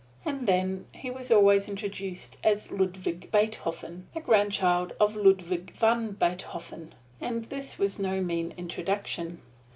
And then he was always introduced as "Ludvig Biethofen, the grandchild of Ludvig van Biethofen," and this was no mean introduction.